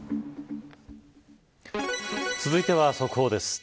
続いては速報です。